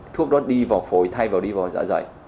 thuốc đó đi vào phổi thay vào đi vào giả dậy